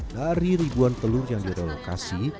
dari ribuan telur yang direlokasi